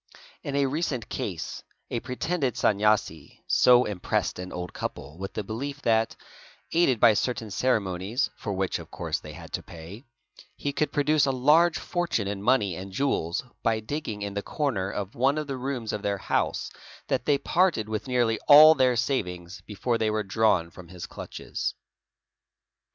In a recent case a pretended Sanyasi so impressed an old couple with the belief that, aided by certain | ceremonies, for which of course they had to pay, he could produce a large' fortune in money and jewels by digging in the corner of one of the rooms_ of their house, that they parted with nearly all their savings before they were drawn from his clutches.